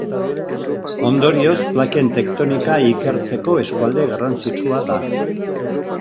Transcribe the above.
Ondorioz, plaken tektonika ikertzeko eskualde garrantzitsua da.